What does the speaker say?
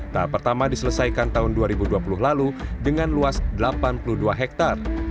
tahap pertama diselesaikan tahun dua ribu dua puluh lalu dengan luas delapan puluh dua hektare